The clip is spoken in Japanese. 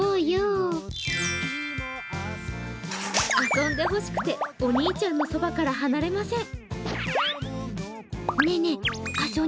遊んでほしくて、お兄ちゃんのそばから離れません。